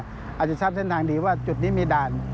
อาจจะทราบเส้นทางดีว่าจุดนี้มีด่าน